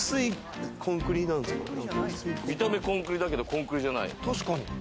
見た目コンクリだけれどもコンクリじゃない。